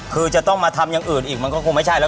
คือจะต้องมาทำอย่างอื่นอีกมันก็คงไม่ใช่แล้ว